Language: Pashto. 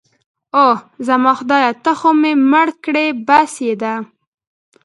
اوه، زما خدایه ته خو مې مړ کړې. بس يې ده.